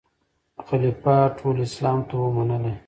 خلیفه وو ټول اسلام ته وو منلی